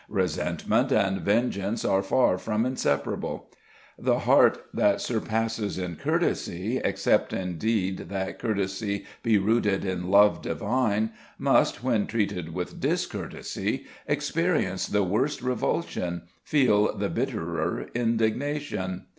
Resentment and vengeance are far from inseparable. The heart that surpasses in courtesy, except indeed that courtesy, be rooted in love divine, must, when treated with discourtesy, experience the worse revulsion, feel the bitterer indignation.